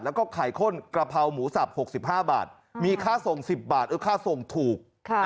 แล้วก็ไข่ข้นกระเพราหมูสับ๖๕บาทมีค่าส่ง๑๐บาทค่าส่งถูก